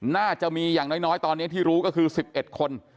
น่าจะมีอย่างน้อยตอนนี้ที่รู้ก็คือ๑๑คน